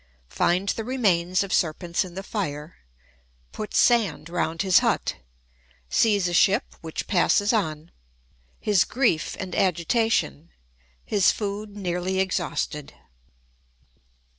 Finds the Remains of Serpents in the Fire—Puts Sand round his Hut—Sees a Ship, which passes on—His Grief and Agitation—His Food nearly exhausted.